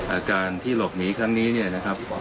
อาการที่หลบหนีครั้งนี้เนี่ยนะครับ